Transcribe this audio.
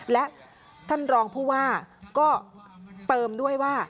และท่านรองผู้ว่าก็เติมด้วยว่า